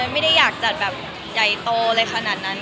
ไม่ได้อยากจัดแบบใหญ่โตอะไรขนาดนั้น